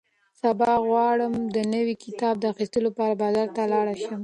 سبا غواړم د نوي کتاب د اخیستلو لپاره بازار ته لاړ شم.